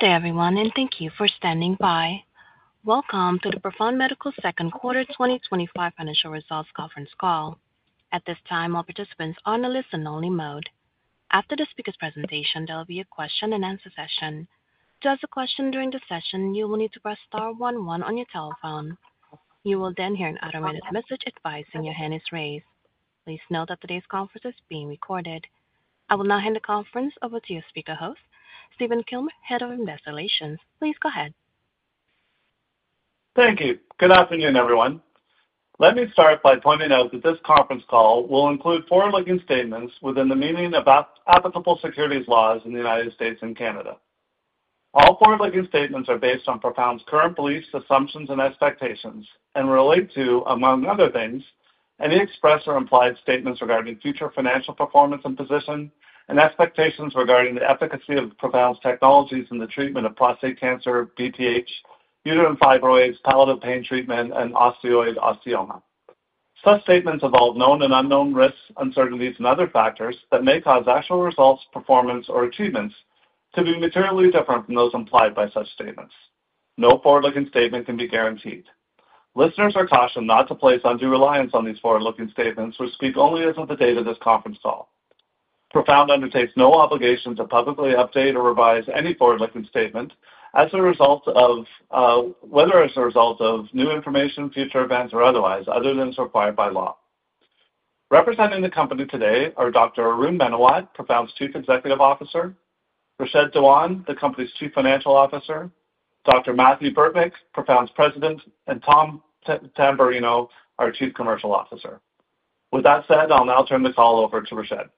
Thank you, everyone, and thank you for standing by. Welcome to the Profound Medical second quarter 2025 financial results conference call. At this time, all participants are in a listen-only mode. After the speaker's presentation, there will be a question and answer session. To ask a question during the session, you will need to press star 11 on your telephone. You will then hear an automated message advising your hand is raised. Please note that today's conference is being recorded. I will now hand the conference over to your speaker host, Stephen Kilmer, Head of Investor Relations. Please go ahead. Thank you. Good afternoon, everyone. Let me start by pointing out that this conference call will include forward-looking statements within the meaning of applicable securities laws in the U.S. and Canada. All forward-looking statements are based on Profound Medical's current beliefs, assumptions, and expectations and relate to, among other things, any expressed or implied statements regarding future financial performance and position and expectations regarding the efficacy of Profound Medical's technologies in the treatment of prostate cancer, benign prostatic hyperplasia (BPH), uterine fibroids, palliative pain treatment, and osteoid osteoma. Such statements involve known and unknown risks, uncertainties, and other factors that may cause actual results, performance, or achievements to be materially different from those implied by such statements. No forward-looking statement can be guaranteed. Listeners are cautioned not to place undue reliance on these forward-looking statements, which speak only as of the date of this conference call. Profound Medical undertakes no obligation to publicly update or revise any forward-looking statement as a result of, whether as a result of new information, future events, or otherwise, other than as required by law. Representing the company today are Dr. Arun Menawat, Profound Medical's Chief Executive Officer; Rashed Dewan, the company's Chief Financial Officer; Dr. Mathieu Burtnyk, Profound Medical's President; and Tom Tamberrino, our Chief Commercial Officer. With that said, I'll now turn the call over to Rashed.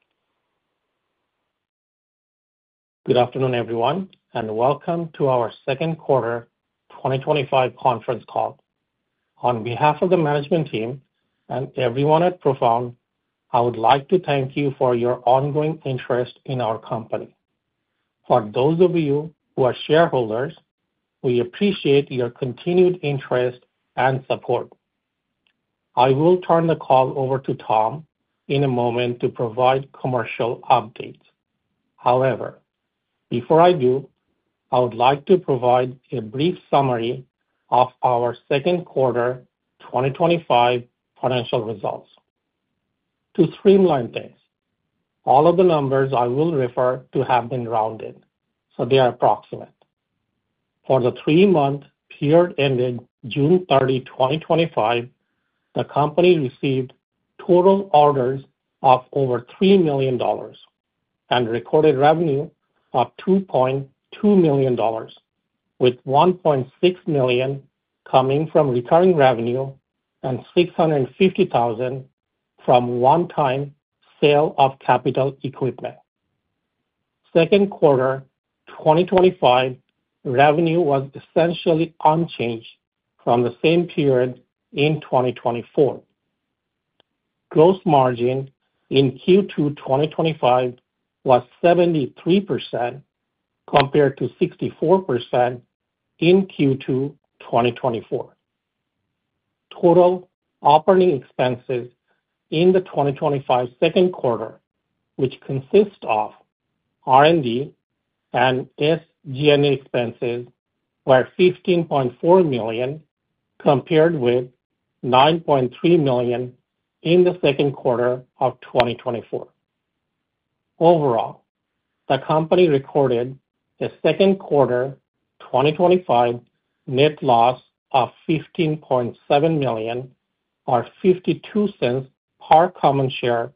Good afternoon, everyone, and welcome to our second quarter 2025 conference call. On behalf of the management team and everyone at Profound Medical, I would like to thank you for your ongoing interest in our company. For those of you who are shareholders, we appreciate your continued interest and support. I will turn the call over to Tom in a moment to provide commercial updates. However, before I do, I would like to provide a brief summary of our second quarter 2025 financial results. To streamline things, all of the numbers I will refer to have been rounded, so they are approximate. For the three-month period ending June 30, 2025, the company received total orders of over $3 million and recorded revenue of $2.2 million, with $1.6 million coming from recurring revenue and $650,000 from one-time sale of capital equipment. Second quarter 2025 revenue was essentially unchanged from the same period in 2024. Gross margin in Q2 2025 was 73% compared to 64% in Q2 2024. Total operating expenses in the 2025 second quarter, which consist of R&D and SG&A expenses, were $15.4 million compared with $9.3 million in the second quarter of 2024. Overall, the company recorded a second quarter 2025 net loss of $15.7 million or $0.52 per common share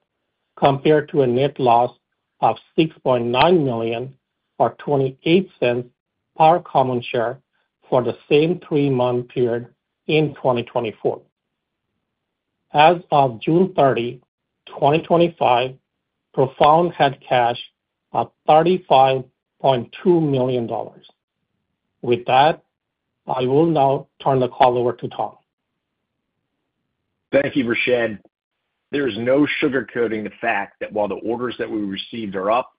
compared to a net loss of $6.9 million or $0.28 per common share for the same three-month period in 2024. As of June 30, 2025, Profound Medical had cash of $35.2 million. With that, I will now turn the call over to Tom. Thank you, Rashed. There is no sugarcoating the fact that while the orders that we received are up,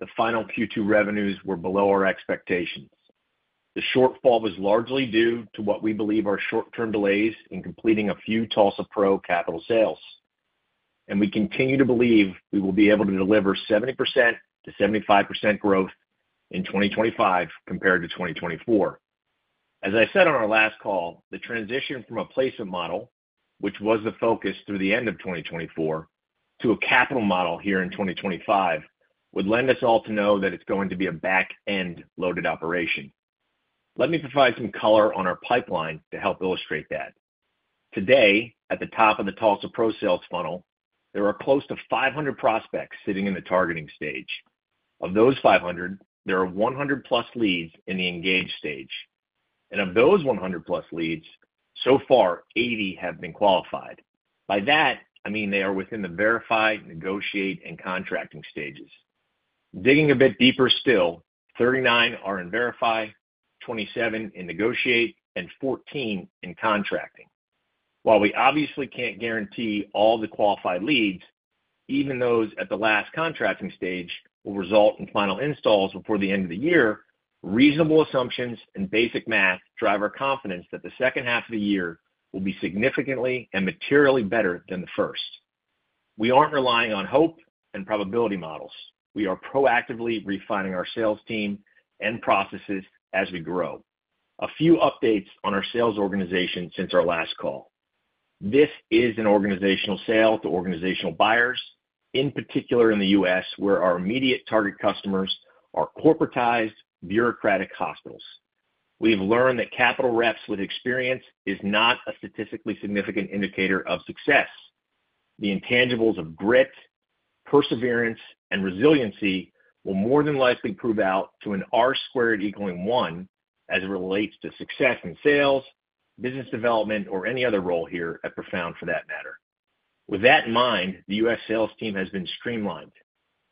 the final Q2 revenues were below our expectations. The shortfall was largely due to what we believe are short-term delays in completing a few TULSA-PRO capital sales. We continue to believe we will be able to deliver 70%-75% growth in 2025 compared to 2024. As I said on our last call, the transition from a placement model, which was the focus through the end of 2024, to a capital model here in 2025 would lend us all to know that it's going to be a back-end loaded operation. Let me provide some color on our pipeline to help illustrate that. Today, at the top of the TULSA-PRO sales funnel, there are close to 500 prospects sitting in the targeting stage. Of those 500, there are 100 plus leads in the engaged stage. Of those 100 plus leads, so far, 80 have been qualified. By that, I mean they are within the verify, negotiate, and contracting stages. Digging a bit deeper still, 39 are in verify, 27 in negotiate, and 14 in contracting. While we obviously can't guarantee all the qualified leads, even those at the last contracting stage will result in final installs before the end of the year, reasonable assumptions and basic math drive our confidence that the second half of the year will be significantly and materially better than the first. We aren't relying on hope and probability models. We are proactively refining our sales team and processes as we grow. A few updates on our sales organization since our last call. This is an organizational sale to organizational buyers, in particular in the U.S., where our immediate target customers are corporatized, bureaucratic hospitals. We've learned that capital reps with experience are not a statistically significant indicator of success. The intangibles of grit, perseverance, and resiliency will more than likely prove out to an [R squared] equaling one as it relates to success in sales, business development, or any other role here at Profound Medical for that matter. With that in mind, the U.S. sales team has been streamlined.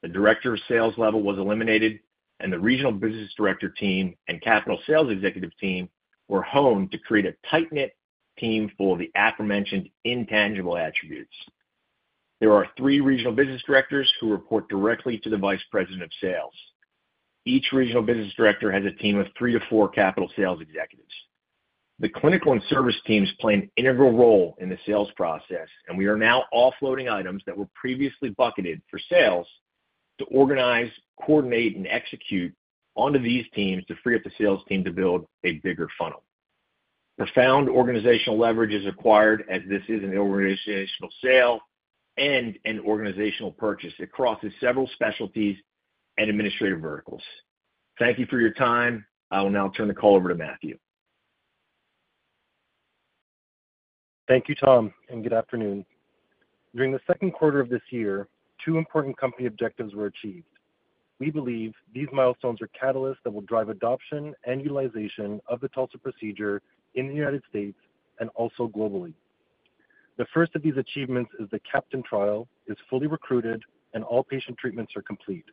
The Director of Sales level was eliminated, and the Regional Business Director team and Capital Sales Executive team were honed to create a tight-knit team full of the aforementioned intangible attributes. There are three Regional Business Directors who report directly to the Vice President of Sales. Each Regional Business Director has a team of three to four Capital Sales Executives. The clinical and service teams play an integral role in the sales process, and we are now offloading items that were previously bucketed for sales to organize, coordinate, and execute onto these teams to free up the sales team to build a bigger funnel. Profound organizational leverage is acquired as this is an organizational sale and an organizational purchase. It crosses several specialties and administrative verticals. Thank you for your time. I will now turn the call over to Mathieu. Thank you, Tom, and good afternoon. During the second quarter of this year, two important company objectives were achieved. We believe these milestones are catalysts that will drive adoption and utilization of the TULSA procedure in the United States and also globally. The first of these achievements is the CAPTAIN trial is fully recruited and all patient treatments are complete.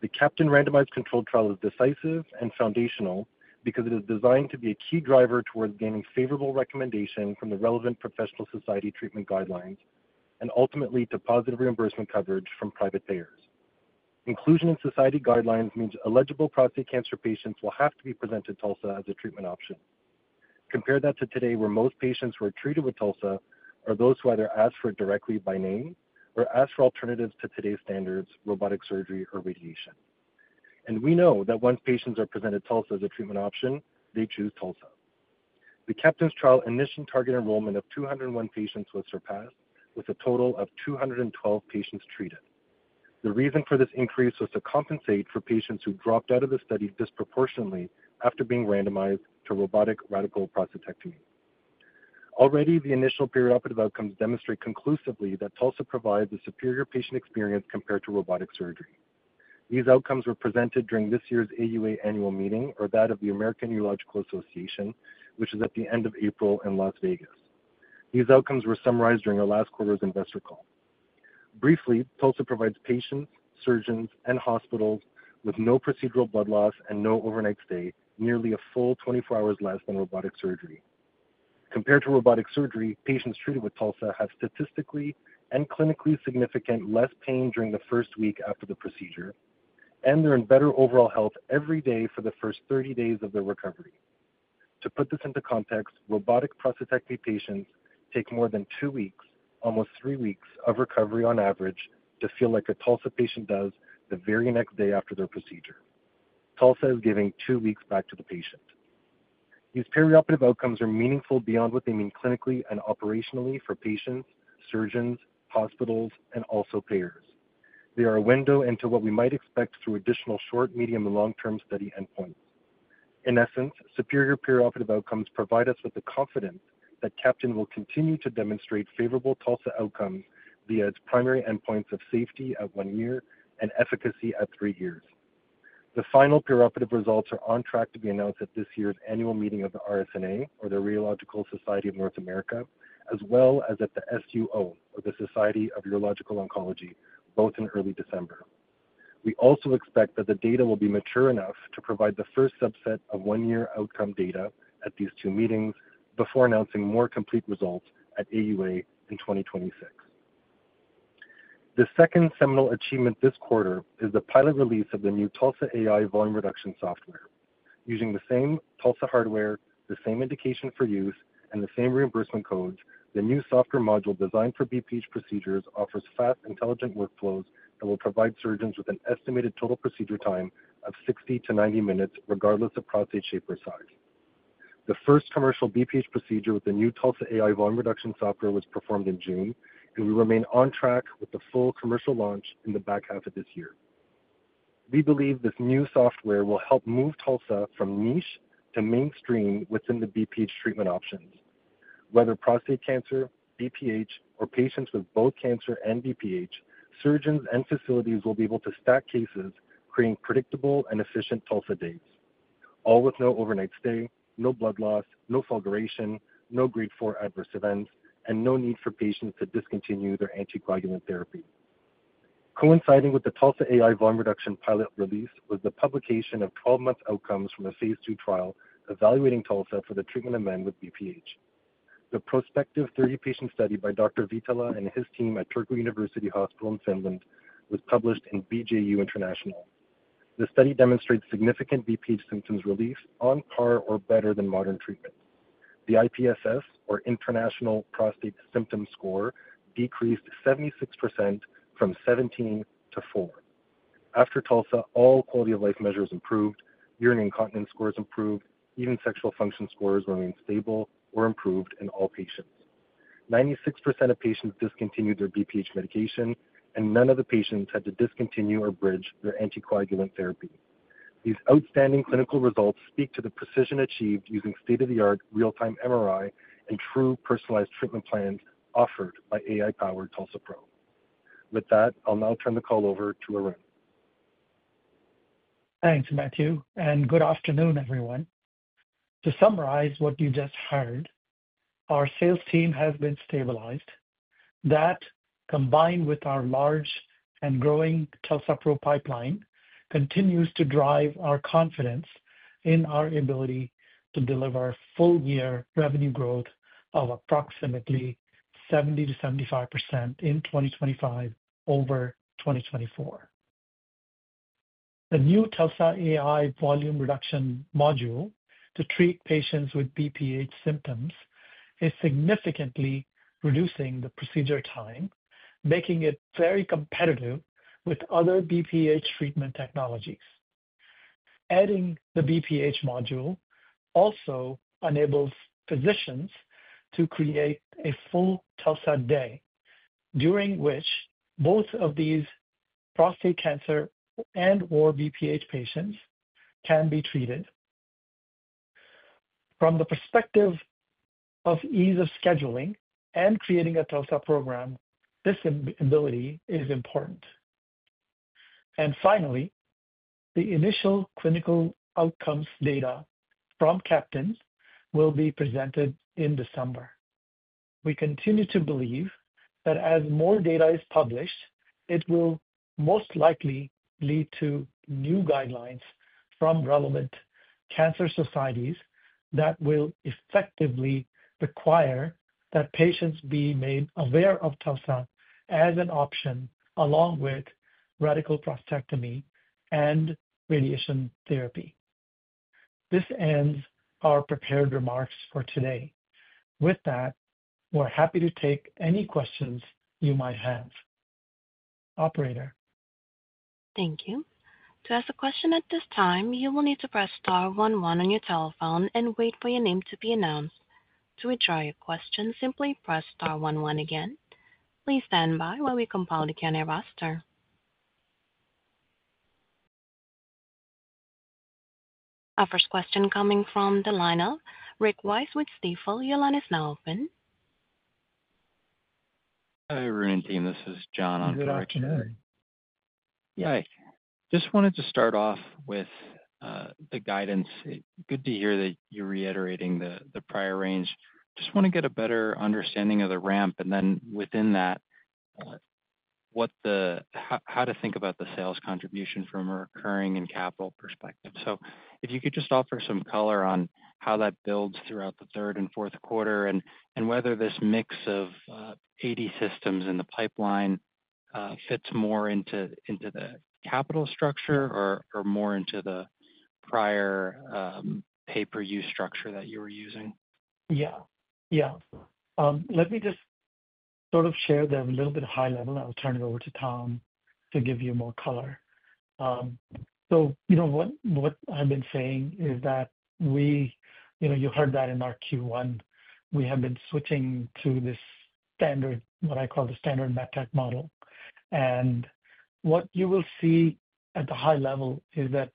The CAPTAIN randomized controlled trial is decisive and foundational because it is designed to be a key driver towards gaining favorable recommendation from the relevant professional society treatment guidelines and ultimately to positive reimbursement coverage from private payers. Inclusion in society guidelines means eligible prostate cancer patients will have to be presented to TULSA as a treatment option. Compare that to today where most patients who are treated with TULSA are those who either ask for it directly by name or ask for alternatives to today's standards, robotic surgery or radiation. We know that once patients are presented to TULSA as a treatment option, they choose TULSA. The CAPTAIN trial initial target enrollment of 201 patients was surpassed, with a total of 212 patients treated. The reason for this increase was to compensate for patients who dropped out of the study disproportionately after being randomized to robotic radical prostatectomy. Already, the initial perioperative outcomes demonstrate conclusively that TULSA provides a superior patient experience compared to robotic surgery. These outcomes were presented during this year's AUA annual meeting, or that of the American Urological Association, which is at the end of April in Las Vegas. These outcomes were summarized during our last quarter's investor call. Briefly, TULSA provides patients, surgeons, and hospitals with no procedural blood loss and no overnight stay, nearly a full 24 hours less than robotic surgery. Compared to robotic surgery, patients treated with TULSA have statistically and clinically significantly less pain during the first week after the procedure, and they're in better overall health every day for the first 30 days of their recovery. To put this into context, robotic prostatectomy patients take more than two weeks, almost three weeks of recovery on average to feel like a TULSA patient does the very next day after their procedure. TULSA is giving two weeks back to the patient. These perioperative outcomes are meaningful beyond what they mean clinically and operationally for patients, surgeons, hospitals, and also payers. They are a window into what we might expect through additional short, medium, and long-term study endpoints. In essence, superior perioperative outcomes provide us with the confidence that CAPTAIN will continue to demonstrate favorable TULSA outcomes via its primary endpoints of safety at one year and efficacy at three years. The final perioperative results are on track to be announced at this year's annual meeting of the Radiological Society of North America (RSNA), as well as at the Society of Urologic Oncology (SUO), both in early December. We also expect that the data will be mature enough to provide the first subset of one-year outcome data at these two meetings before announcing more complete results at the American Urological Association (AUA) in 2026. The second seminal achievement this quarter is the pilot release of the new TULSA AI Volume Reduction Software. Using the same TULSA hardware, the same indication for use, and the same reimbursement codes, the new software module designed for benign prostatic hyperplasia (BPH) procedures offers fast, intelligent workflows that will provide surgeons with an estimated total procedure time of 60 to 90 minutes, regardless of prostate shape or size. The first commercial BPH procedure with the new TULSA AI Volume Reduction Software was performed in June, and we remain on track with the full commercial launch in the back half of this year. We believe this new software will help move TULSA from niche to mainstream within the BPH treatment options. Whether prostate cancer, BPH, or patients with both cancer and BPH, surgeons and facilities will be able to stack cases, creating predictable and efficient TULSA dates, all with no overnight stay, no blood loss, no fulguration, no grade 4 adverse events, and no need for patients to discontinue their anticoagulant therapy. Coinciding with the TULSA AI Volume Reduction Software pilot release was the publication of 12 months' outcomes from the phase two trial evaluating TULSA for the treatment of men with BPH. The prospective 30-patient study by Dr. Viitala and his team at Turku University Hospital in Finland was published in BJU International. The study demonstrates significant BPH symptom relief on par or better than modern treatment. The IPSS, or International Prostate Symptom Score, decreased 76% from 17 to 4. After TULSA, all quality of life measures improved, urinary incontinence scores improved, even sexual function scores remained stable or improved in all patients. 96% of patients discontinued their BPH medication, and none of the patients had to discontinue or bridge their anticoagulant therapy. These outstanding clinical results speak to the precision achieved using state-of-the-art real-time MRI and true personalized treatment plans offered by AI-powered TULSA-PRO. With that, I'll now turn the call over to Arun. Thanks, Mathieu, and good afternoon, everyone. To summarize what you just heard, our sales team has been stabilized. That, combined with our large and growing TULSA-PRO pipeline, continues to drive our confidence in our ability to deliver full-year revenue growth of approximately 70%-75% in 2025 over 2024. The new TULSA AI Volume Reduction module to treat patients with BPH symptoms is significantly reducing the procedure time, making it very competitive with other BPH treatment technologies. Adding the BPH module also enables physicians to create a full TULSA day, during which both of these prostate cancer and/or BPH patients can be treated. From the perspective of ease of scheduling and creating a TULSA program, this ability is important. Finally, the initial clinical outcomes data from CAPTAIN will be presented in December. We continue to believe that as more data is published, it will most likely lead to new guidelines from relevant cancer societies that will effectively require that patients be made aware of TULSA as an option, along with radical prostatectomy and radiation therapy. This ends our prepared remarks for today. With that, we're happy to take any questions you might have. Operator. Thank you. To ask a question at this time, you will need to press star 11 on your telephone and wait for your name to be announced. To withdraw your question, simply press star 11 again. Please stand by while we compile the candidate roster. Our first question coming from the lineup. Rick Wise with Stifel, your line is now open. Hi, Arun and team. This is John on call. Good afternoon. Yeah, I just wanted to start off with the guidance. Good to hear that you're reiterating the prior range. I just want to get a better understanding of the ramp and then within that, how to think about the sales contribution from a recurring and capital perspective. If you could just offer some color on how that builds throughout the third and fourth quarter and whether this mix of 80 systems in the pipeline fits more into the capital structure or more into the prior pay-per-use structure that you were using. Yeah, let me just sort of share that a little bit high level. I'll turn it over to Tom to give you more color. You know, what I've been saying is that you heard that in our Q1, we have been switching to this standard, what I call the standard medtech model. What you will see at the high level is that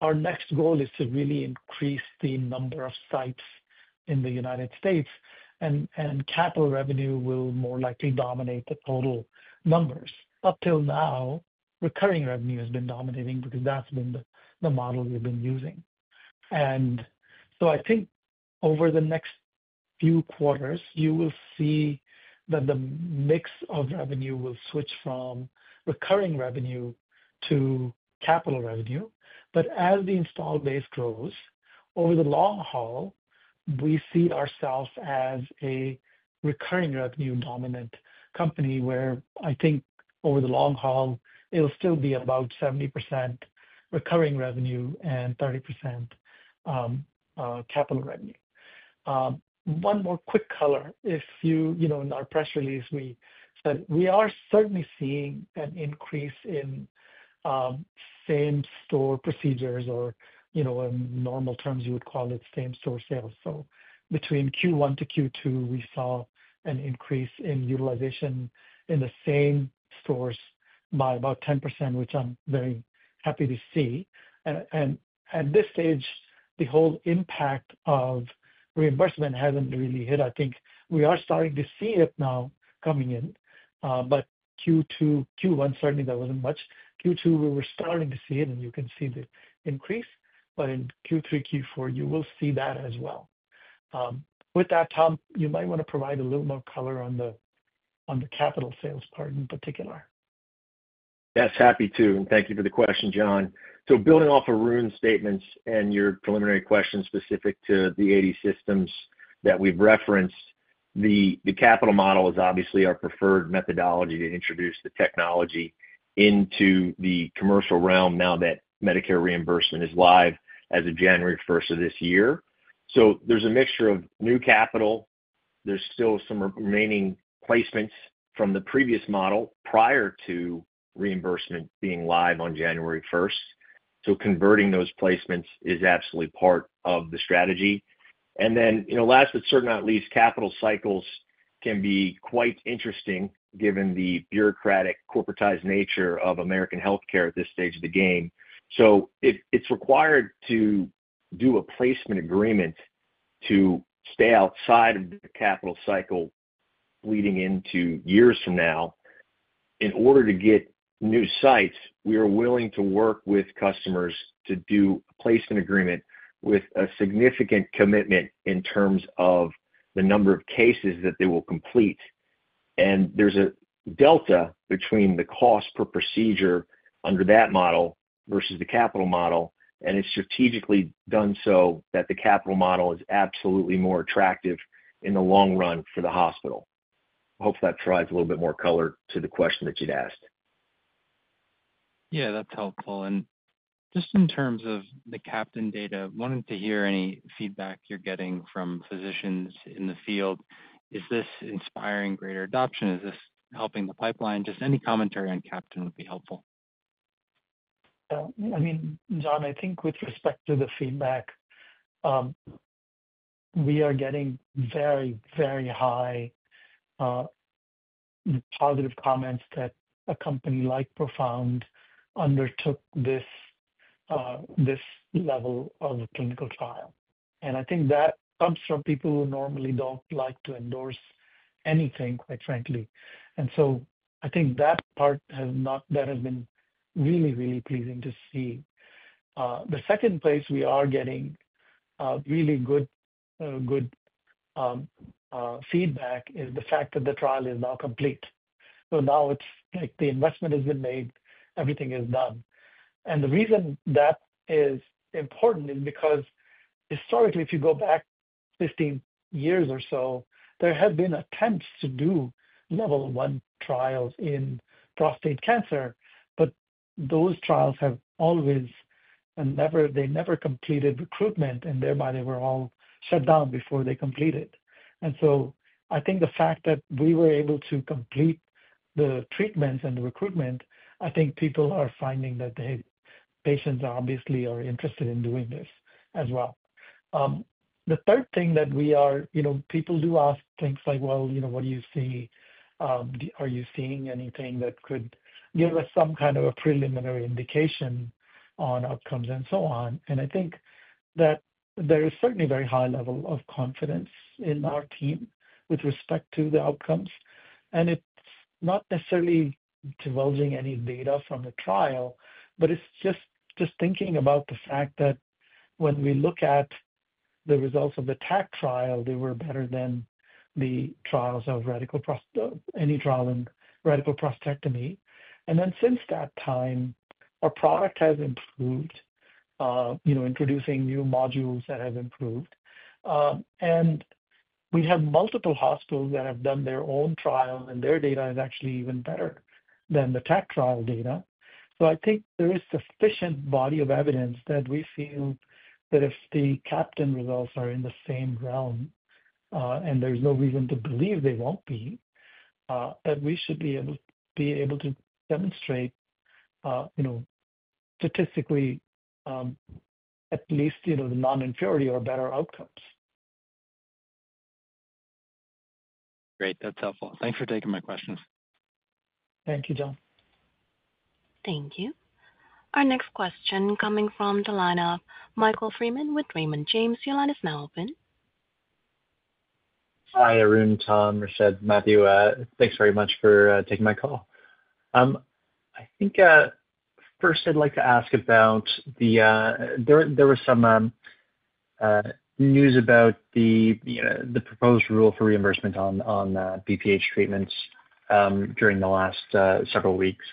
our next goal is to really increase the number of sites in the United States, and capital revenue will more likely dominate the total numbers. Up till now, recurring revenue has been dominating because that's been the model we've been using. I think over the next few quarters, you will see that the mix of revenue will switch from recurring revenue to capital revenue. As the install base grows, over the long haul, we see ourselves as a recurring revenue-dominant company where I think over the long haul, it'll still be about 70% recurring revenue and 30% capital revenue. One more quick color. In our press release, we said we are certainly seeing an increase in same-store procedures or, in normal terms, you would call it same-store sales. Between Q1 to Q2, we saw an increase in utilization in the same stores by about 10%, which I'm very happy to see. At this stage, the whole impact of reimbursement hasn't really hit. I think we are starting to see it now coming in. Q1, certainly there wasn't much. Q2, we were starting to see it, and you can see the increase. In Q3, Q4, you will see that as well. With that, Tom, you might want to provide a little more color on the capital sales part in particular. Yes, happy to, and thank you for the question, John. Building off Arun's statements and your preliminary question specific to the 80 systems that we've referenced, the capital model is obviously our preferred methodology to introduce the technology into the commercial realm now that Medicare reimbursement is live as of January 1, 2025. There's a mixture of new capital. There are still some remaining placements from the previous model prior to reimbursement being live on January 1. Converting those placements is absolutely part of the strategy. Last but certainly not least, capital cycles can be quite interesting given the bureaucratic, corporatized nature of American healthcare at this stage of the game. It's required to do a placement agreement to stay outside of the capital cycle bleeding into years from now. In order to get new sites, we are willing to work with customers to do a placement agreement with a significant commitment in terms of the number of cases that they will complete. There's a delta between the cost per procedure under that model versus the capital model, and it's strategically done so that the capital model is absolutely more attractive in the long run for the hospital. I hope that drives a little bit more color to the question that you'd asked. That's helpful. In terms of the CAPTAIN data, I wanted to hear any feedback you're getting from physicians in the field. Is this inspiring greater adoption? Is this helping the pipeline? Any commentary on CAPTAIN would be helpful. I mean, John, I think with respect to the feedback, we are getting very, very high positive comments that a company like Profound Medical undertook this level of clinical trial. I think that comes from people who normally don't like to endorse anything, quite frankly. I think that part has been really, really pleasing to see. The second place we are getting really good feedback is the fact that the trial is now complete. Now it's like the investment has been made. Everything is done. The reason that is important is because historically, if you go back 15 years or so, there have been attempts to do level one trials in prostate cancer, but those trials have never completed recruitment, and thereby they were all shut down before they completed. I think the fact that we were able to complete the treatments and the recruitment, people are finding that the patients obviously are interested in doing this as well. The third thing that people do ask is, what do you see? Are you seeing anything that could give us some kind of a preliminary indication on outcomes and so on? I think that there is certainly a very high level of confidence in our team with respect to the outcomes. It's not necessarily divulging any data from the trial, but it's just thinking about the fact that when we look at the results of the TACT trial, they were better than the trials of radical prostatectomy. Since that time, our product has improved, introducing new modules that have improved. We have multiple hospitals that have done their own trials, and their data is actually even better than the TACT trial data. I think there is a sufficient body of evidence that we feel that if the CAPTAIN results are in the same realm, and there's no reason to believe they won't be, we should be able to demonstrate, statistically at least, the non-inferior or better outcomes. Great. That's helpful. Thanks for taking my questions. Thank you, John. Thank you. Our next question coming from the lineup. Michael Freeman with Raymond James, your line is now open. Hi, Arun, Tom, Rashed, Mathieu. Thanks very much for taking my call. I think first I'd like to ask about the, there was some news about the proposed rule for reimbursement on BPH treatments during the last several weeks.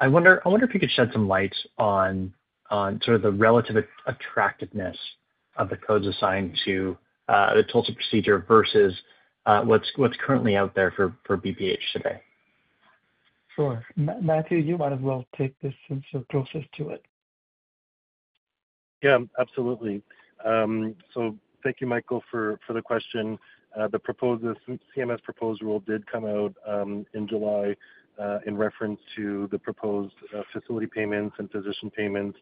I wonder if you could shed some light on sort of the relative attractiveness of the codes assigned to the TULSA procedure versus what's currently out there for BPH today. Sure. Mathieu, you might as well take this since you're closest to it. Yeah, absolutely. Thank you, Michael, for the question. The proposed CMS proposed rule did come out in July in reference to the proposed facility payments and physician payments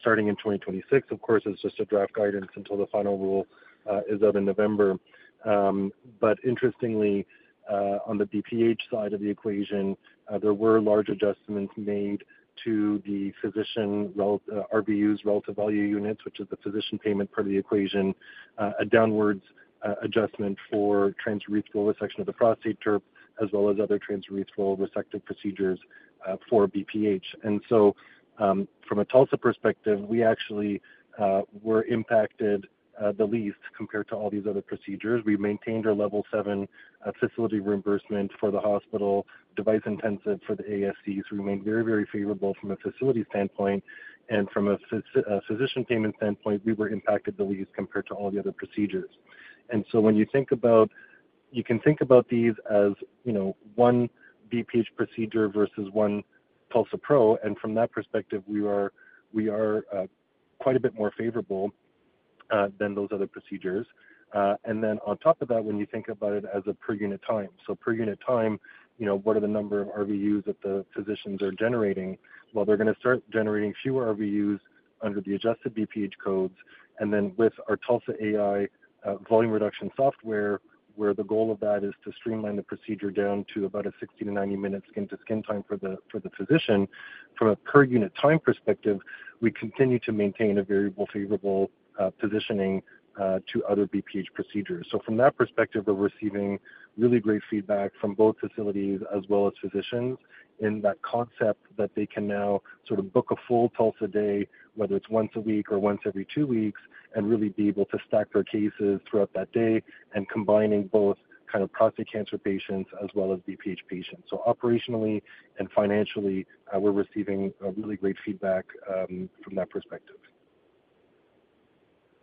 starting in 2026. Of course, it's just a draft guidance until the final rule is out in November. Interestingly, on the BPH side of the equation, there were large adjustments made to the physician RVUs, relative value units, which is the physician payment part of the equation, a downwards adjustment for transurethral resection of the prostate, as well as other transurethral resective procedures for BPH. From a TULSA perspective, we actually were impacted the least compared to all these other procedures. We maintained our level seven facility reimbursement for the hospital, device intensive for the ASCs, remained very, very favorable from a facility standpoint. From a physician payment standpoint, we were impacted the least compared to all the other procedures. When you think about it, you can think about these as one BPH procedure versus one TULSA-PRO. From that perspective, we are quite a bit more favorable than those other procedures. On top of that, when you think about it as a per unit time. Per unit time, what are the number of RVUs that the physicians are generating? They're going to start generating fewer RVUs under the adjusted BPH codes. With our TULSA AI Volume Reduction Software, where the goal of that is to streamline the procedure down to about a 60 to 90-minute skin-to-skin time for the physician, from a per unit time perspective, we continue to maintain a very favorable positioning to other BPH procedures. From that perspective, we're receiving really great feedback from both facilities as well as physicians in that concept that they can now sort of book a full TULSA day, whether it's once a week or once every two weeks, and really be able to stack their cases throughout that day and combining both kind of prostate cancer patients as well as BPH patients. Operationally and financially, we're receiving really great feedback from that perspective.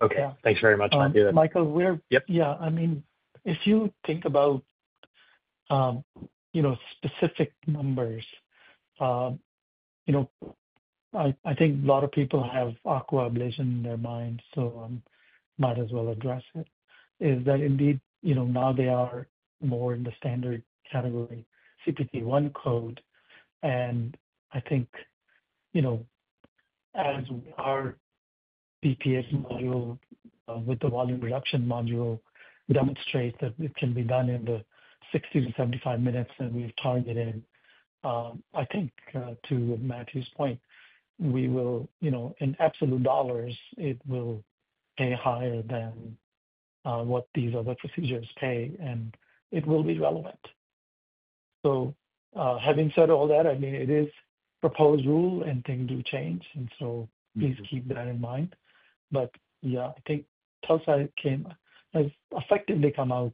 Okay, thanks very much. Michael, yeah, I mean, if you think about, you know, specific numbers, I think a lot of people have aqua ablation in their mind, so I might as well address it, is that indeed, now they are more in the standard category CPT-1 code. I think, as our BPH module with the TULSA AI Volume Reduction module demonstrates that it can be done in the 60 to 75 minutes that we've targeted, I think to Mathieu's point, we will, in absolute dollars, it will pay higher than what these other procedures pay, and it will be relevant. Having said all that, it is a proposed rule and things do change, so please keep that in mind. Yeah, I think TULSA has effectively come out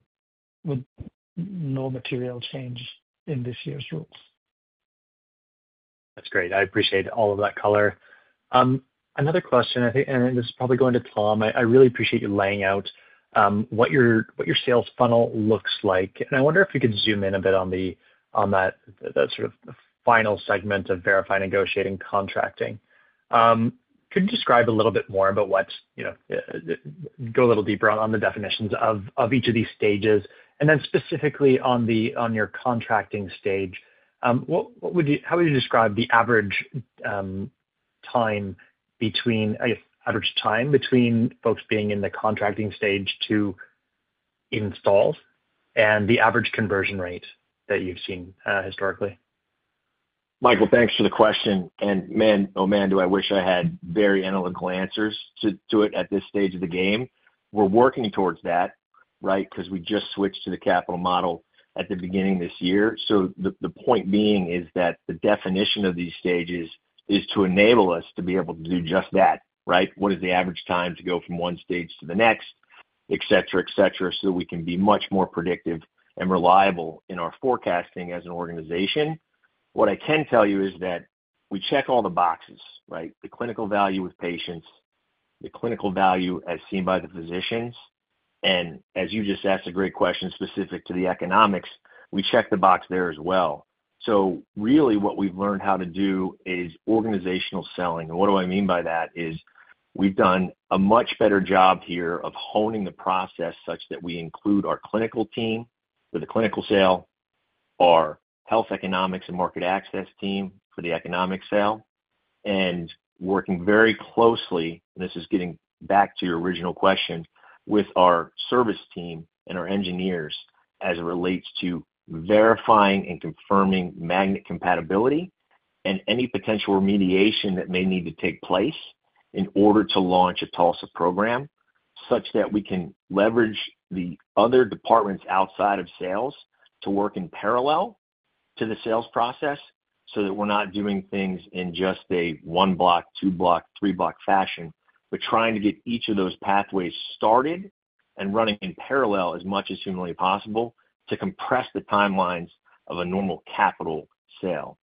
with no material changes in this year's rules. That's great. I appreciate all of that color. Another question, I think, and this is probably going to Tom. I really appreciate you laying out what your sales funnel looks like. I wonder if you could zoom in a bit on that sort of final segment of verifying, negotiating, contracting. Could you describe a little bit more about what, you know, go a little deeper on the definitions of each of these stages? Specifically on your contracting stage, how would you describe the average time between, I guess, average time between folks being in the contracting stage to installs and the average conversion rate that you've seen historically? Michael, thanks for the question. I wish I had very analytical answers to it at this stage of the game. We're working towards that, right, because we just switched to the capital model at the beginning of this year. The point is that the definition of these stages is to enable us to be able to do just that, right? What is the average time to go from one stage to the next, etc., etc., so that we can be much more predictive and reliable in our forecasting as an organization? What I can tell you is that we check all the boxes, right? The clinical value with patients, the clinical value as seen by the physicians, and as you just asked a great question specific to the economics, we check the box there as well. What we've learned how to do is organizational selling. What I mean by that is we've done a much better job here of honing the process such that we include our clinical team for the clinical sale, our health economics and market access team for the economic sale, and working very closely, and this is getting back to your original question, with our service team and our engineers as it relates to verifying and confirming magnet compatibility and any potential remediation that may need to take place in order to launch a TULSA program such that we can leverage the other departments outside of sales to work in parallel to the sales process so that we're not doing things in just a one-block, two-block, three-block fashion, but trying to get each of those pathways started and running in parallel as much as humanly possible to compress the timelines of a normal capital sale.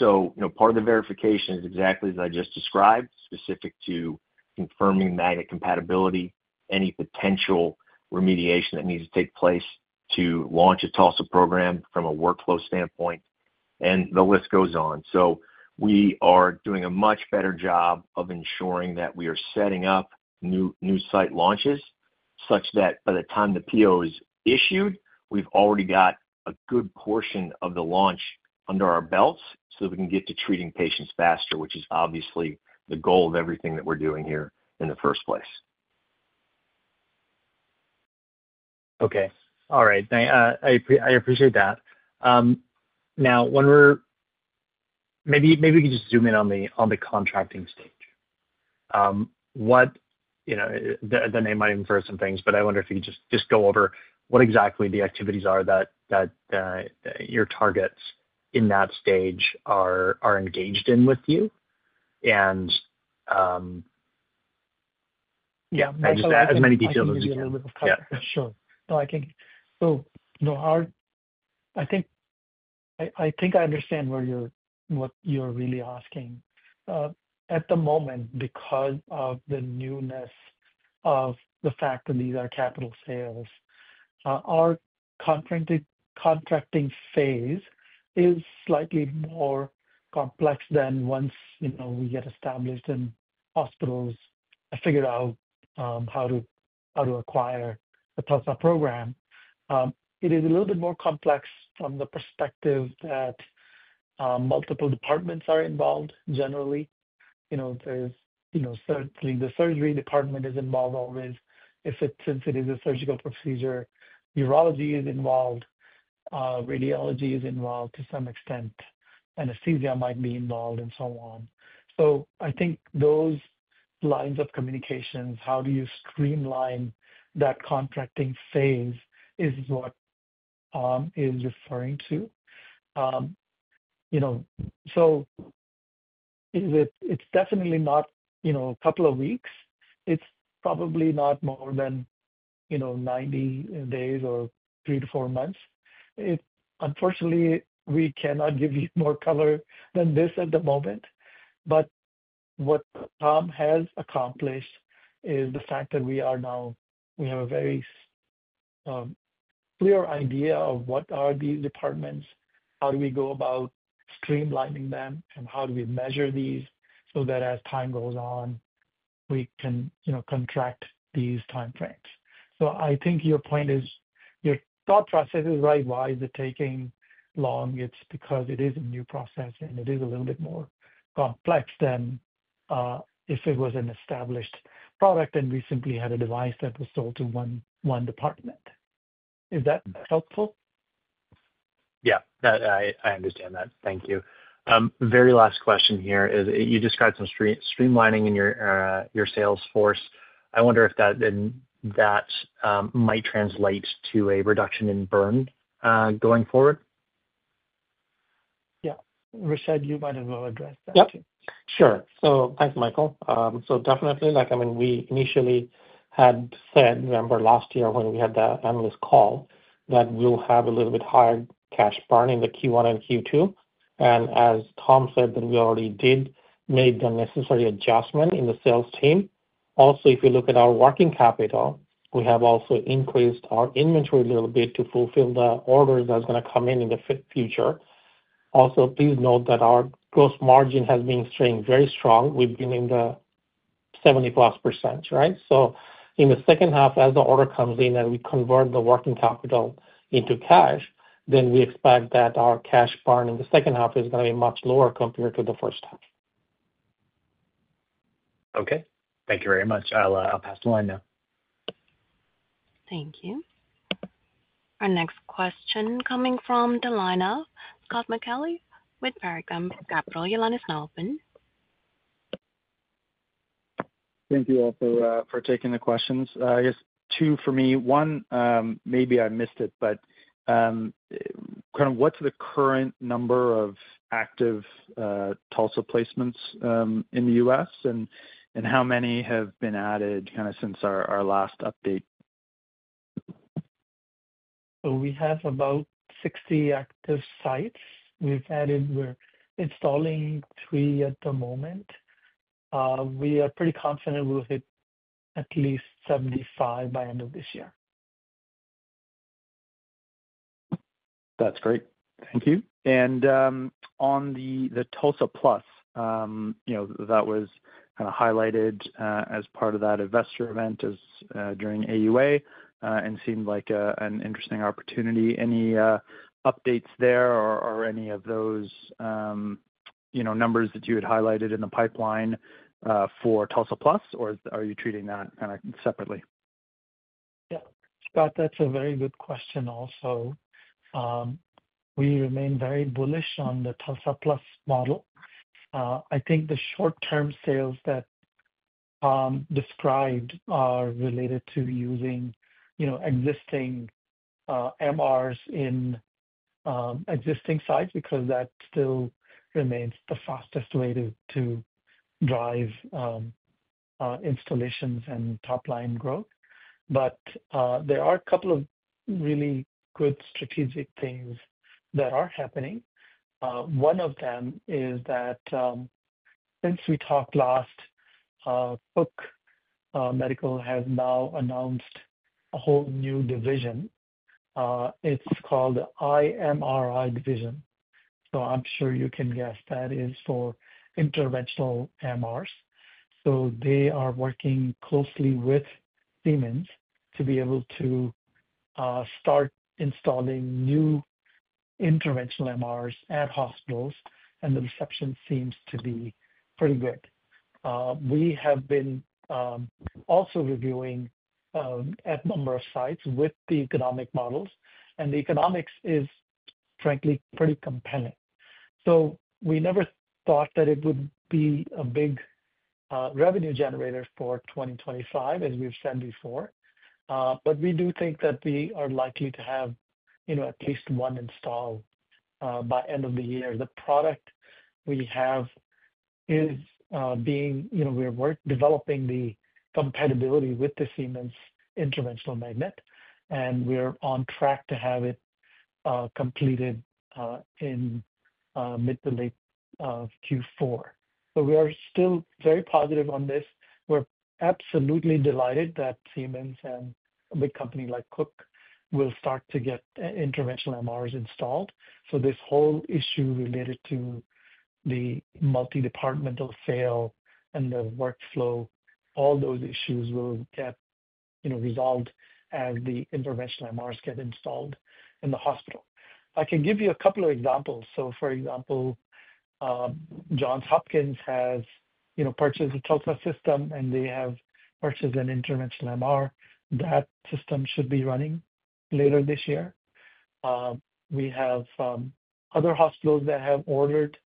Part of the verification is exactly as I just described, specific to confirming magnet compatibility, any potential remediation that needs to take place to launch a TULSA program from a workflow standpoint, and the list goes on. We are doing a much better job of ensuring that we are setting up new site launches such that by the time the PO is issued, we've already got a good portion of the launch under our belts so that we can get to treating patients faster, which is obviously the goal of everything that we're doing here in the first place. Okay. All right. I appreciate that. Now, maybe we can just zoom in on the contracting stage. They might infer some things, but I wonder if you could just go over what exactly the activities are that your targets in that stage are engaged in with you. Yeah, as many details as you can. Yeah, sure. I think I understand what you're really asking. At the moment, because of the newness of the fact that these are capital equipment sales, our contracting phase is slightly more complex than once we get established in hospitals and figure out how to acquire the TULSA Program. It is a little bit more complex from the perspective that multiple departments are involved generally. There's certainly the surgery department involved always. Since it is a surgical procedure, urology is involved, radiology is involved to some extent, anesthesia might be involved, and so on. I think those lines of communication, how do you streamline that contracting phase, is what Tom is referring to. It's definitely not a couple of weeks. It's probably not more than 90 days or three to four months. Unfortunately, we cannot give you more color than this at the moment. What Tom has accomplished is the fact that we have a very clear idea of what are these departments, how do we go about streamlining them, and how do we measure these so that as time goes on, we can contract these timeframes. I think your point, your thought process is right. Why is it taking long? It's because it is a new process, and it is a little bit more complex than if it was an established product and we simply had a device that was sold to one department. Is that helpful? Yeah, I understand that. Thank you. Very last question here is you described some streamlining in your sales force. I wonder if that might translate to a reduction in burn, going forward. Yeah, Rashed, you might as well address that. Yeah, sure. Thanks, Michael. We initially had said, remember last year when we had the analyst call, that we'll have a little bit higher cash burn in Q1 and Q2. As Tom said, we already did make the necessary adjustment in the sales team. Also, if you look at our working capital, we have also increased our inventory a little bit to fulfill the orders that are going to come in in the future. Please note that our gross margin has been staying very strong. We've been in the 70+%, right? In the second half, as the order comes in and we convert the working capital into cash, we expect that our cash burn in the second half is going to be much lower compared to the first half. Okay, thank you very much. I'll pass the line now. Thank you. Our next question coming from the lineup. Scott McAuley with Lake Street Capital Markets. Your line is now open. Thank you all for taking the questions. I guess two for me. One, maybe I missed it, but what's the current number of active TULSA placements in the U.S. and how many have been added since our last update? We have about 60 active sites. We've added, we're installing three at the moment. We are pretty confident we'll hit at least 75 by the end of this year. That's great. Thank you. On the TULSA+ Program, you know, that was kind of highlighted as part of that investor event during the American Urological Association and seemed like an interesting opportunity. Any updates there or any of those, you know, numbers that you had highlighted in the pipeline for TULSA+ Program, or are you treating that kind of separately? Yeah. Scott, that's a very good question also. We remain very bullish on the TULSA+ Program model. I think the short-term sales that Tom described are related to using, you know, existing MRs in existing sites because that still remains the fastest way to drive installations and top-line growth. There are a couple of really good strategic things that are happening. One of them is that since we talked last, Cook Medical has now announced a whole new division. It's called the IMRI division. I'm sure you can guess that is for interventional MRs. They are working closely with Siemens to be able to start installing new interventional MRs at hospitals, and the reception seems to be pretty good. We have been also reviewing a number of sites with the economic models, and the economics is frankly pretty compelling. We never thought that it would be a big revenue generator for 2025, as we've said before. We do think that we are likely to have, you know, at least one install by the end of the year. The product we have is being, you know, we're developing the compatibility with the Siemens interventional magnet, and we're on track to have it completed in mid to late Q4. We are still very positive on this. We're absolutely delighted that Siemens and a big company like Cook Medical will start to get interventional MRs installed. This whole issue related to the multi-departmental sale and the workflow, all those issues will get, you know, resolved as the interventional MRs get installed in the hospital. I can give you a couple of examples. For example, Johns Hopkins has, you know, purchased a TULSA system, and they have purchased an interventional MR. That system should be running later this year. We have other hospitals that have ordered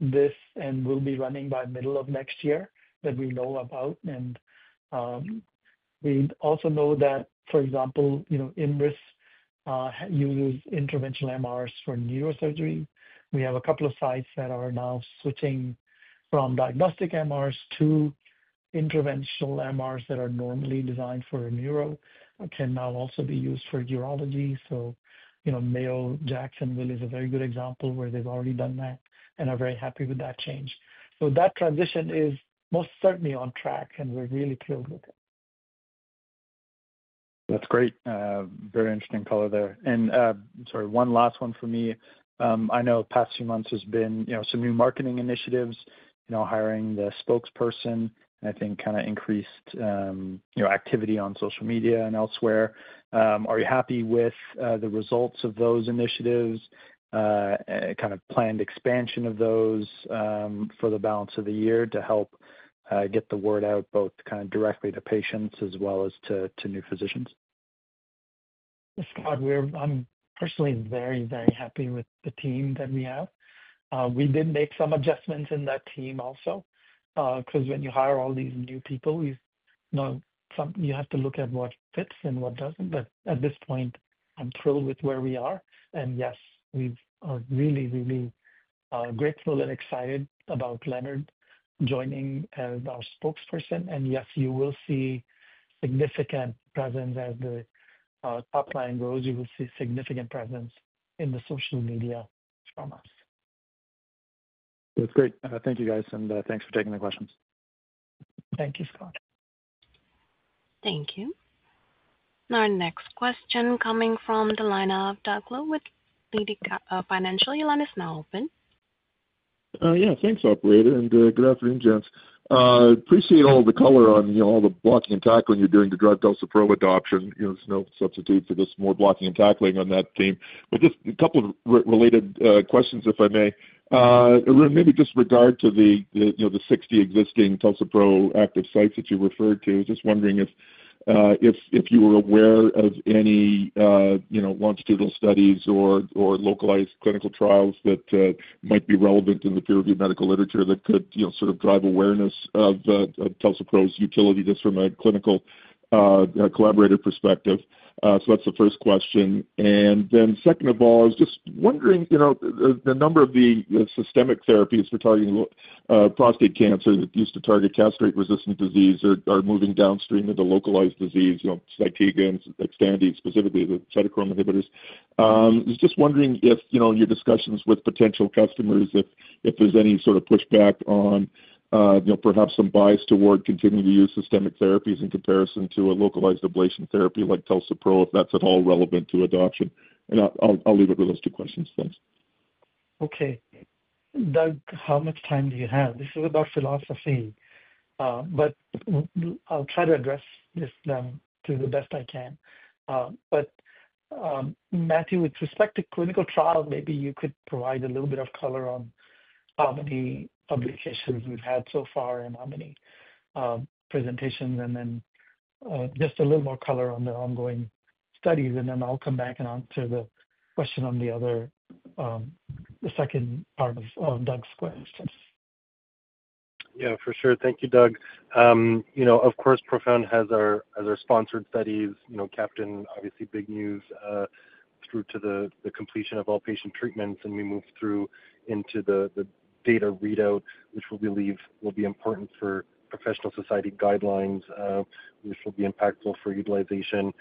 this and will be running by the middle of next year that we know about. We also know that, for example, you know, IMRIS uses interventional MRs for neurosurgery. We have a couple of sites that are now switching from diagnostic MRs to interventional MRs that are normally designed for neuro can now also be used for urology. Mayo Jacksonville is a very good example where they've already done that and are very happy with that change. That transition is most certainly on track, and we're really thrilled with it. That's great. Very interesting color there. Sorry, one last one for me. I know the past few months there's been some new marketing initiatives, hiring the spokesperson, and I think kind of increased activity on social media and elsewhere. Are you happy with the results of those initiatives, kind of planned expansion of those for the balance of the year to help get the word out both directly to patients as well as to new physicians? Scott, I'm personally very, very happy with the team that we have. We did make some adjustments in that team also because when you hire all these new people, you have to look at what fits and what doesn't. At this point, I'm thrilled with where we are. Yes, we are really, really grateful and excited about Leonard joining as our spokesperson. Yes, you will see significant presence as the top line grows. You will see significant presence in the social media from us. That's great. Thank you, guys, and thanks for taking the questions. Thank you, Scott. Thank you. Our next question coming from the lineup. Doug Loe with [Leading Financial]. Your line is now open. Yeah, thanks, operator, and good afternoon, gents. I appreciate all the color on all the blocking and tackling you're doing to drive TULSA-PRO adoption. There's no substitute for this more blocking and tackling on that team. Just a couple of related questions, if I may. Arun, maybe just regard to the 60 existing TULSA-PRO active sites that you referred to. Just wondering if you were aware of any longitudinal studies or localized clinical trials that might be relevant in the peer-reviewed medical literature that could sort of drive awareness of TULSA-PRO's utility just from a clinical, collaborative perspective. That's the first question. Second of all, I was just wondering, the number of the systemic therapies for targeting prostate cancer that used to target castrate-resistant disease are moving downstream to the localized disease, you know, Zytiga, Xtandi, specifically the cytochrome inhibitors. I was just wondering if, in your discussions with potential customers, if there's any sort of pushback on perhaps some bias toward continuing to use systemic therapies in comparison to a localized ablation therapy like TULSA-PRO, if that's at all relevant to adoption. I'll leave it with those two questions. Thanks. Okay. Doug, how much time do you have? This is about philosophy. I'll try to address this to the best I can. Matthew, with respect to clinical trials, maybe you could provide a little bit of color on how many publications we've had so far and how many presentations. Just a little more color on the ongoing studies. I'll come back and answer the question on the second part of Doug's questions. Yeah, for sure. Thank you, Doug. Of course, Profound Medical has our sponsored studies, you know, CAPTAIN, obviously big news, through to the completion of all patient treatments. We move through into the data readout, which we believe will be important for professional society guidelines, which will be impactful for utilization.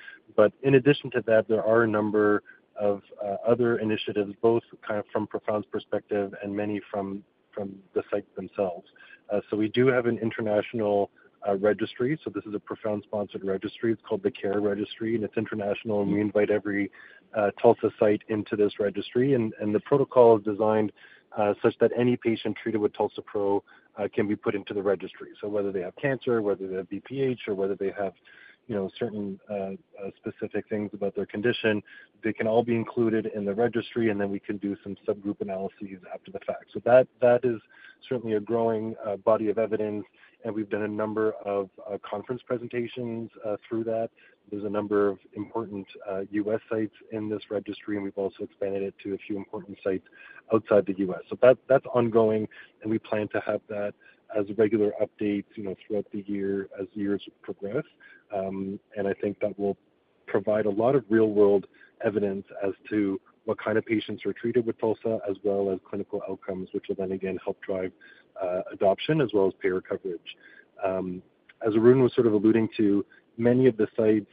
In addition to that, there are a number of other initiatives, both kind of from Profound's perspective and many from the sites themselves. We do have an international registry. This is a Profound-sponsored registry. It's called the CARE Registry, and it's international. We invite every TULSA site into this registry. The protocol is designed such that any patient treated with TULSA-PRO can be put into the registry. Whether they have cancer, whether they have benign prostatic hyperplasia (BPH), or whether they have, you know, certain specific things about their condition, they can all be included in the registry. We can do some subgroup analyses after the fact. That is certainly a growing body of evidence. We've done a number of conference presentations through that. There are a number of important U.S. sites in this registry, and we've also expanded it to a few important sites outside the U.S. That's ongoing, and we plan to have that as regular updates throughout the year as years progress. I think that will provide a lot of real-world evidence as to what kind of patients are treated with TULSA, as well as clinical outcomes, which will then, again, help drive adoption as well as payer coverage. As Arun was sort of alluding to, many of the sites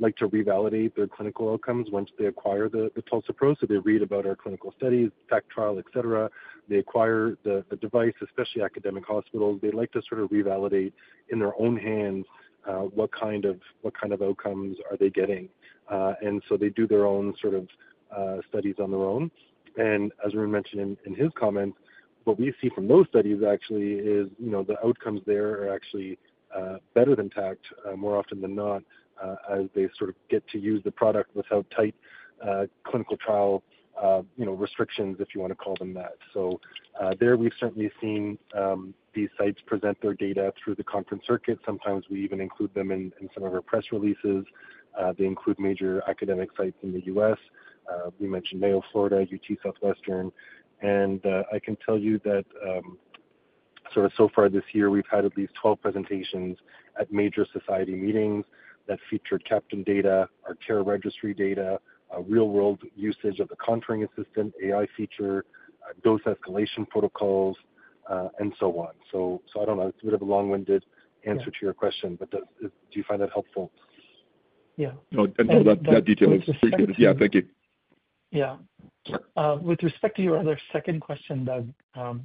like to revalidate their clinical outcomes once they acquire the TULSA-PRO. They read about our clinical studies, TACT trial, etc. They acquire the device, especially academic hospitals. They like to sort of revalidate in their own hands what kind of outcomes are they getting. They do their own sort of studies on their own. As Arun mentioned in his comment, what we see from those studies actually is, you know, the outcomes there are actually better than TACT more often than not as they sort of get to use the product without tight clinical trial, you know, restrictions, if you want to call them that. There we've certainly seen these sites present their data through the conference circuit. Sometimes we even include them in some of our press releases. They include major academic sites in the U.S. We mentioned Mayo, Florida, UT Southwestern. I can tell you that so far this year, we've had at least 12 presentations at major society meetings that featured CAPTAIN data, our CARE Registry data, real-world usage of the conferring assistant, AI feature, dose escalation protocols, and so on. I don't know. It's a bit of a long-winded answer to your question, but do you find that helpful? Yeah. No, that detail is appreciated. Thank you. Yeah. With respect to your other second question, Doug,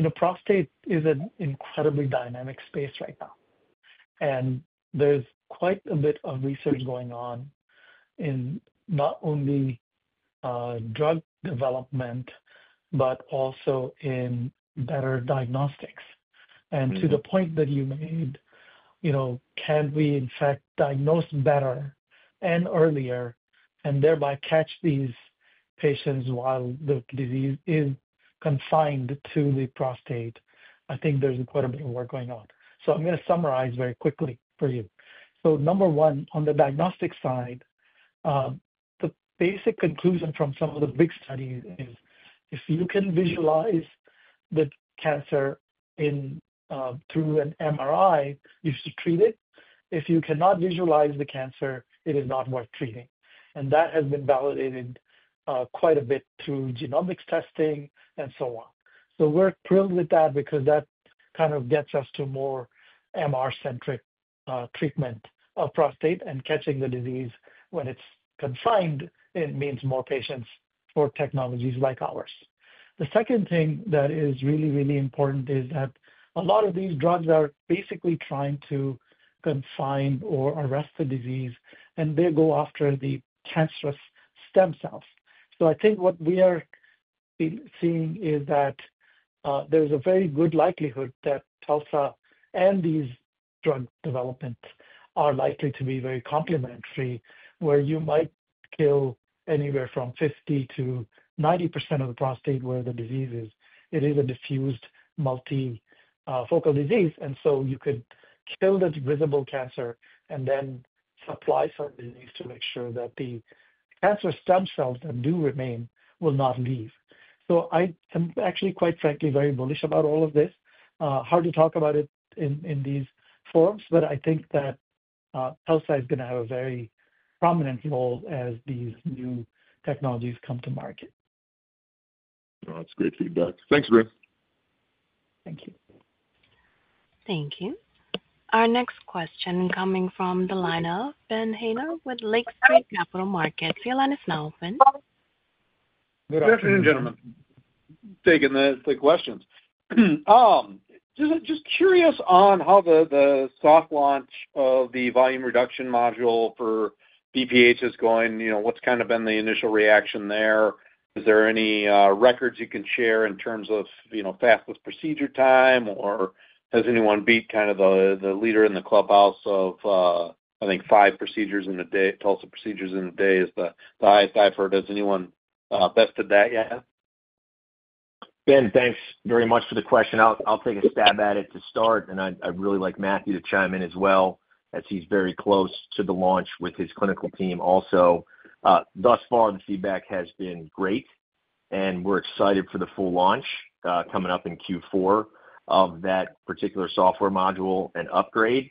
you know, prostate is an incredibly dynamic space right now. There's quite a bit of research going on in not only drug development, but also in better diagnostics. To the point that you made, you know, can we, in fact, diagnose better and earlier and thereby catch these patients while the disease is confined to the prostate? I think there's quite a bit of work going on. I'm going to summarize very quickly for you. Number one, on the diagnostic side, the basic conclusion from some of the big studies is if you can visualize the cancer through an MRI, you should treat it. If you cannot visualize the cancer, it is not worth treating. That has been validated quite a bit through genomics testing and so on. We're thrilled with that because that kind of gets us to more MR-centric treatment of prostate and catching the disease when it's confined. It means more patients for technologies like ours. The second thing that is really, really important is that a lot of these drugs are basically trying to confine or arrest the disease, and they go after the cancerous stem cells. I think what we are seeing is that there's a very good likelihood that TULSA and these drug developments are likely to be very complementary, where you might kill anywhere from 50%-90% of the prostate where the disease is. It is a diffused multifocal disease. You could kill this visible cancer and then supply certain disease to make sure that the cancerous stem cells that do remain will not leave. I am actually, quite frankly, very bullish about all of this. Hard to talk about it in these forms, but I think that TULSA is going to have a very prominent role as these new technologies come to market. No, that's great feedback. Thanks, Arun. Thank you. Thank you. Our next question coming from the lineup. Ben Haynor with Lake Street Capital Markets. Your line is now open. Good afternoon, gentlemen. Taking the questions. Just curious on how the soft launch of the TULSA AI Volume Reduction module for benign prostatic hyperplasia is going. You know, what's kind of been the initial reaction there? Is there any records you can share in terms of, you know, fastest procedure time, or has anyone beat kind of the leader in the clubhouse of, I think, five procedures in a day? TULSA procedures in a day is the highest I've heard. Has anyone bested that yet? Ben, thanks very much for the question. I'll take a stab at it to start. I'd really like Mathieu to chime in as well as he's very close to the launch with his clinical team also. Thus far, the feedback has been great, and we're excited for the full launch coming up in Q4 of that particular software module and upgrade.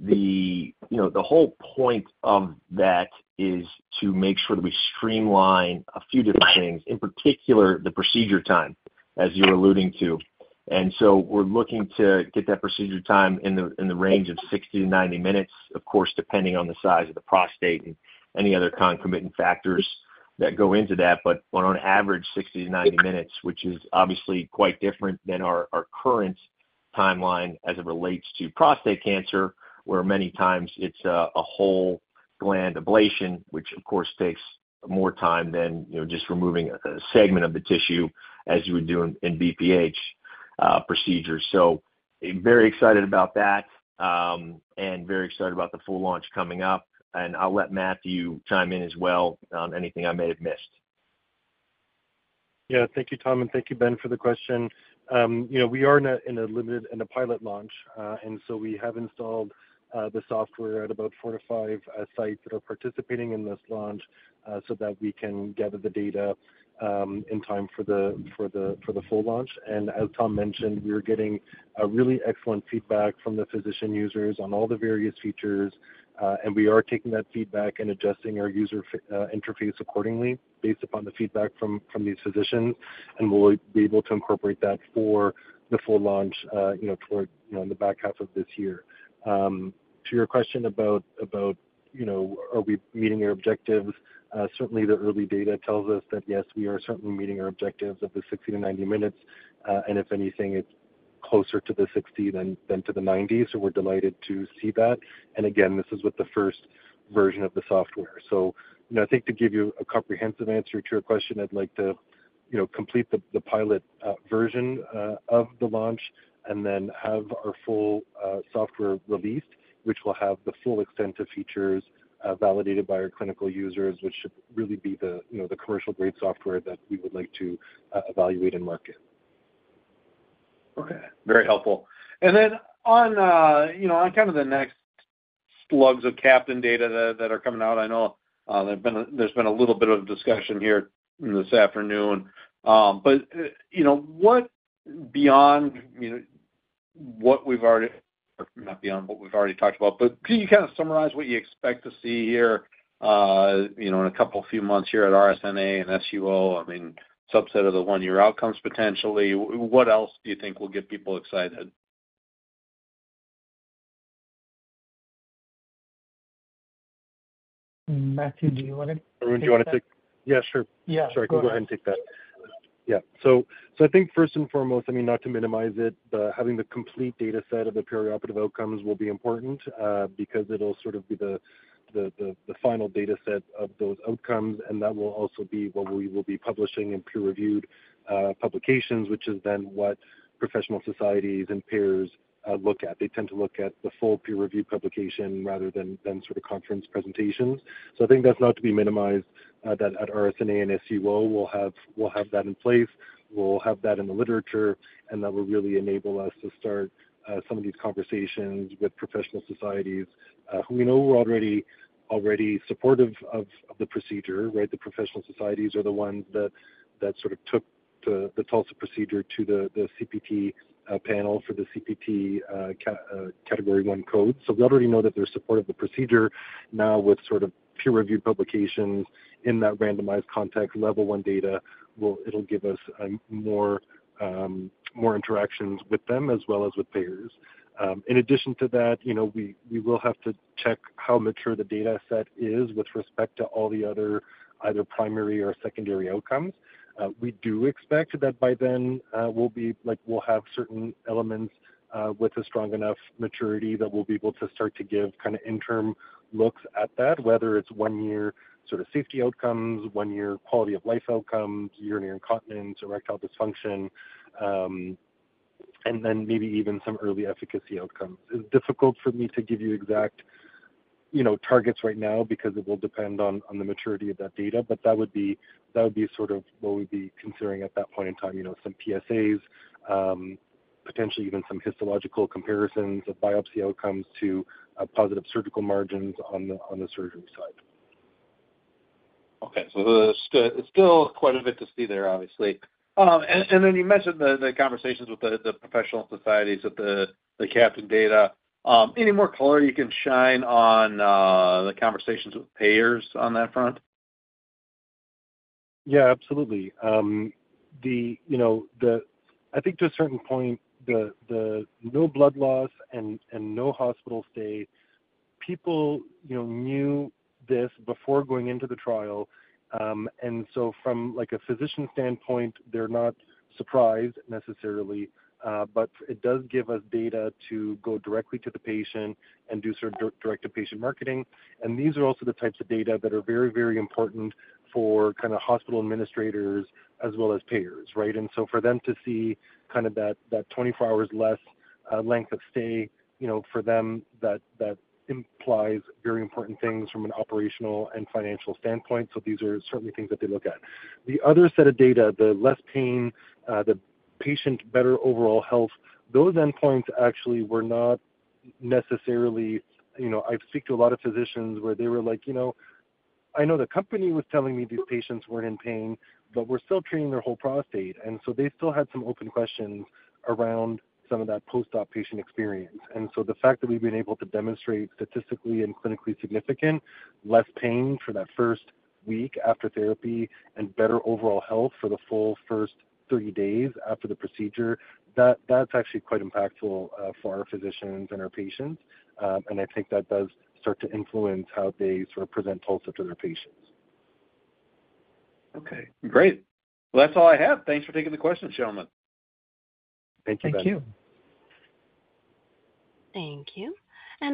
The whole point of that is to make sure that we streamline a few different things, in particular the procedure time, as you were alluding to. We're looking to get that procedure time in the range of 60-90 minutes, of course, depending on the size of the prostate and any other concomitant factors that go into that. On average, 60-90 minutes, which is obviously quite different than our current timeline as it relates to prostate cancer, where many times it's a whole gland ablation, which of course takes more time than just removing a segment of the tissue as you would do in BPH procedures. Very excited about that, and very excited about the full launch coming up. I'll let Mathieu chime in as well on anything I may have missed. Thank you, Tom, and thank you, Ben, for the question. We are in a limited and a pilot launch, and we have installed the software at about four to five sites that are participating in this launch so that we can gather the data in time for the full launch. As Tom mentioned, we are getting really excellent feedback from the physician users on all the various features, and we are taking that feedback and adjusting our user interface accordingly based upon the feedback from these physicians. We'll be able to incorporate that for the full launch toward the back half of this year. To your question about are we meeting our objectives, certainly, the early data tells us that, yes, we are certainly meeting our objectives of the 60-90 minutes, and if anything, it's closer to the 60 than to the 90, so we're delighted to see that. This is with the first version of the software. I think to give you a comprehensive answer to your question, I'd like to complete the pilot version of the launch and then have our full software released, which will have the full extent of features validated by our clinical users, which should really be the commercial-grade software that we would like to evaluate and market. Okay. Very helpful. On the next slugs of CAPTAIN data that are coming out, I know there's been a little bit of discussion here this afternoon. What beyond what we've already, not beyond what we've already talked about, but can you kind of summarize what you expect to see here in a couple of few months here at RSNA and SUO? I mean, subset of the one-year outcomes potentially? What else do you think will get people excited? Mathieu, do you want to take? Arun, do you want to take? Yeah, sure. Yeah, sure. Sure. I can go ahead and take that. Yeah. I think first and foremost, not to minimize it, but having the complete dataset of the perioperative outcomes will be important, because it'll sort of be the final dataset of those outcomes. That will also be what we will be publishing in peer-reviewed publications, which is then what professional societies and payers look at. They tend to look at the full peer-reviewed publication rather than conference presentations. I think that's not to be minimized, that at RSNA and SUO, we'll have that in place. We'll have that in the literature, and that will really enable us to start some of these conversations with professional societies, who we know are already supportive of the procedure, right? The professional societies are the ones that sort of took the TULSA procedure to the CPT panel for the CPT category one code. We already know that they're supportive of the procedure. Now, with peer-reviewed publications in that randomized context, level one data, it'll give us more interactions with them as well as with payers. In addition to that, we will have to check how mature the dataset is with respect to all the other either primary or secondary outcomes. We do expect that by then, we'll have certain elements with a strong enough maturity that we'll be able to start to give kind of interim looks at that, whether it's one-year safety outcomes, one-year quality of life outcomes, urinary incontinence, erectile dysfunction, and then maybe even some early efficacy outcomes. It's difficult for me to give you exact targets right now because it will depend on the maturity of that data, but that would be what we'd be considering at that point in time, some PSAs, potentially even some histological comparisons of biopsy outcomes to positive surgical margins on the surgery side. Okay. There's still quite a bit to see there, obviously. You mentioned the conversations with the professional societies of the CAPTAIN data. Any more color you can shine on the conversations with payers on that front? Yeah, absolutely. I think to a certain point, the no blood loss and no hospital stay, people knew this before going into the trial. From a physician standpoint, they're not surprised necessarily, but it does give us data to go directly to the patient and do sort of direct-to-patient marketing. These are also the types of data that are very, very important for hospital administrators as well as payers, right? For them to see that 24 hours less length of stay, for them, that implies very important things from an operational and financial standpoint. These are certainly things that they look at. The other set of data, the less pain, the patient better overall health, those endpoints actually were not necessarily, you know, I speak to a lot of physicians where they were like, you know, I know the company was telling me these patients weren't in pain, but we're still treating their whole prostate. They still had some open questions around some of that post-op patient experience. The fact that we've been able to demonstrate statistically and clinically significant less pain for that first week after therapy and better overall health for the full first 30 days after the procedure, that's actually quite impactful for our physicians and our patients. I think that does start to influence how they sort of present TULSA to their patients. Okay. Great. That's all I have. Thanks for taking the questions, gentlemen. Thank you, guys. Thank you. Thank you.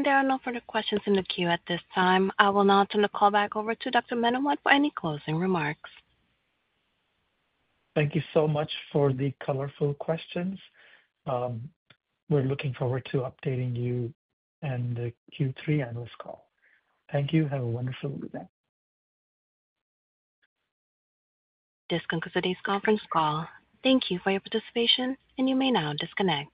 There are no further questions in the queue at this time. I will now turn the call back over to Dr. Menawat for any closing remarks. Thank you so much for the colorful questions. We're looking forward to updating you in the Q3 analyst call. Thank you. Have a wonderful evening. This concludes today's conference call. Thank you for your participation, and you may now disconnect.